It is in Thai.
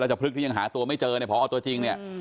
เราจะพลึกที่ยังหาตัวไม่เจอในพอตัวจริง